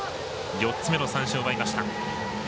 ４つ目の三振を奪いました。